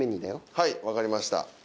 はい分かりました。